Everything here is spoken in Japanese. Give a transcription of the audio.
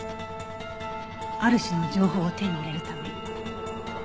ある種の情報を手に入れるため。